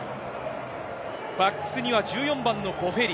バックスには１４番のボフェリ。